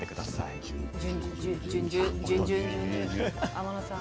天野さん